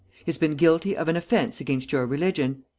He has been guilty of an offence against your religion.